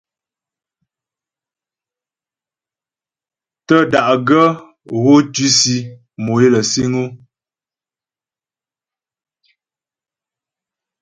Tə́ da'gaə́ gho tʉsì mò é lə siŋ o.